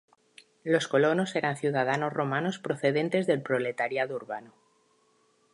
Los colonos eran ciudadanos romanos procedentes del proletariado urbano.